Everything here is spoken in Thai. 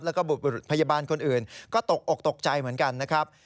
แล้วก็พยาบาลคนอื่นก็ตกอกตกใจเหมือนกันนะครับ